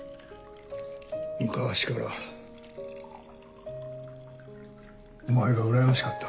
昔からお前がうらやましかった。